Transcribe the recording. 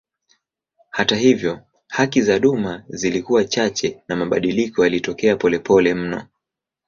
Hata hivyo haki za duma zilikuwa chache na mabadiliko yalitokea polepole mno.